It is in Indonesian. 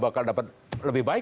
petani juga dapat lebih baik